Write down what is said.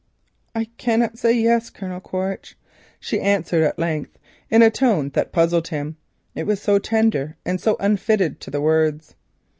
"I cannot say 'yes,' Colonel Quaritch," she answered at length, in a tone that puzzled him, it was so tender and so unfitted to the words.